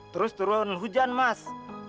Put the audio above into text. terus turun hujan mas